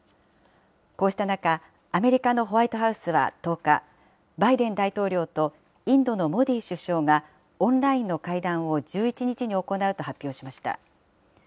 こうした中、アメリカのホワイトハウスは１０日、バイデン大統領とインドのモディ首相が、オンラインの会談を１１日に行うと発表しました。